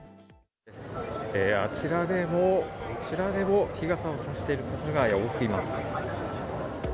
あちらでも、こちらでも、日傘を差している方が多くいます。